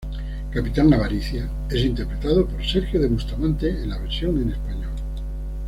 Capitán Avaricia: Es interpretado por Sergio de Bustamante en la versión en español.